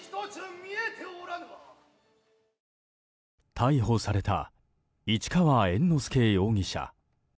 逮捕された市川猿之助容疑者。